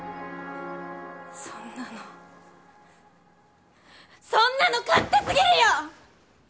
そんなのそんなの勝手すぎるよ！